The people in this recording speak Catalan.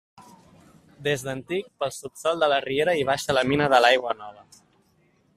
Des d'antic, pel subsòl de la Riera hi baixa la Mina de l'Aigua Nova.